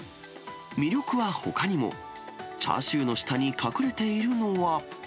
魅力はほかにも、チャーシューの下に隠れているのは。